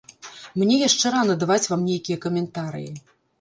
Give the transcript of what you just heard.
Мне яшчэ рана даваць вам нейкія каментарыі.